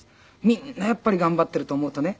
みんなやっぱり頑張ってると思うとね